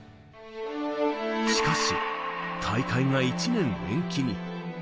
しかし、大会が１年延期に。